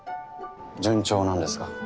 順調なんですか？